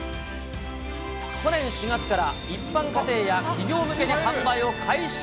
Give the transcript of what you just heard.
去年４月から、一般家庭や企業向けに販売を開始。